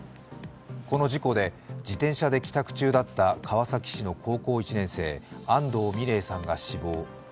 この事故で、自転車で帰宅中だった川崎の高校１年生安藤美鈴さんが死亡。